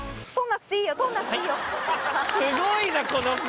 ・すごいなこの子・